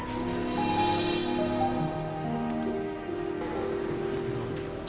saksi itu emang ada di tempat kejadian